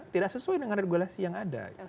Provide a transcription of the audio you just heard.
tidak sesuai dengan regulasi yang ada